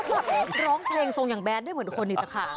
แล้วก็แบบร้องเพลงทรงอย่างแบดด้วยเหมือนคนอีกละค่ะ